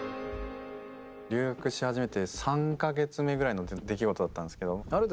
留学し始めて３か月目ぐらいの出来事だったんですけどある